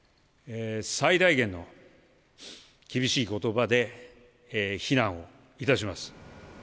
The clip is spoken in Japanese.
最大限の厳しいことばで非難をいたします。